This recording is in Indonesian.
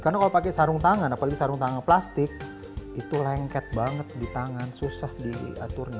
karena kalau pakai sarung tangan apalagi sarung tangan plastik itu lengket banget di tangan susah di aturnya